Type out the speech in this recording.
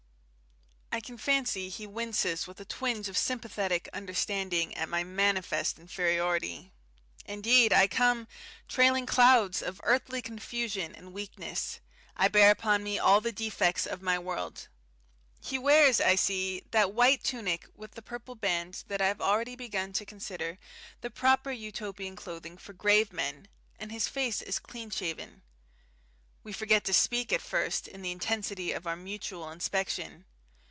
I can fancy he winces with a twinge of sympathetic understanding at my manifest inferiority. Indeed, I come, trailing clouds of earthly confusion and weakness; I bear upon me all the defects of my world. He wears, I see, that white tunic with the purple band that I have already begun to consider the proper Utopian clothing for grave men, and his face is clean shaven. We forget to speak at first in the intensity of our mutual inspection.